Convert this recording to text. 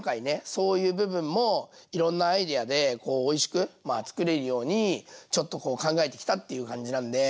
そういう部分もいろんなアイデアでこうおいしく作れるようにちょっとこう考えてきたっていう感じなんで。